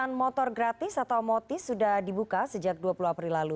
kendaraan motor gratis atau motis sudah dibuka sejak dua puluh april lalu